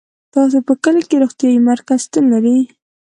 تاسو په کلي کي روغتيايي مرکز شتون لری